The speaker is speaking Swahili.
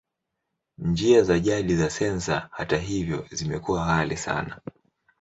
Njia za jadi za sensa, hata hivyo, zimekuwa ghali zaidi.